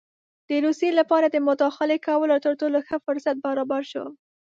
د روسیې لپاره د مداخلې کولو تر ټولو ښه فرصت برابر شو.